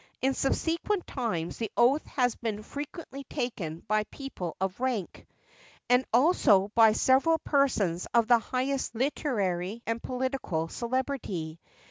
In subsequent times the oath has been frequently taken by people of rank, and also by several persons of the highest literary and political celebrity.